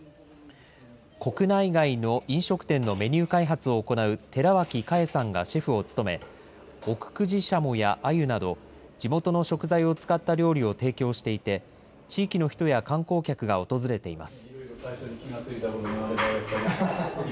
国内外の飲食店のメニュー開発を行う寺脇加恵さんがシェフを務め、奥久慈しゃもやあゆなど、地元の食材を使った料理を提供していて、地域の人や観光客が訪れています。